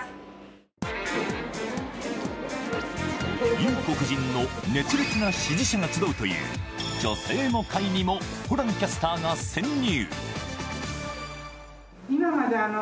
裕子夫人の熱烈な支持者が集うという女性の会にもホランキャスターが潜入。